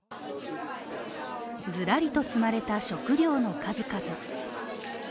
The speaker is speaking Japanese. ずらりと積まれた食料の数々。